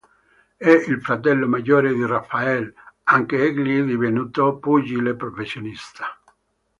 È il fratello maggiore di Rafael, anch'egli divenuto pugile professionista.